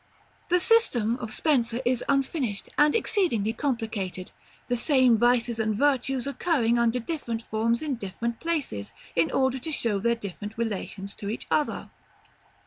§ LXII. The system of Spenser is unfinished, and exceedingly complicated, the same vices and virtues occurring under different forms in different places, in order to show their different relations to each other.